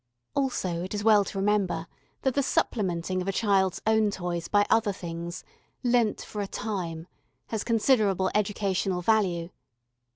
Also it is well to remember that the supplementing of a child's own toys by other things, lent for a time, has considerable educational value.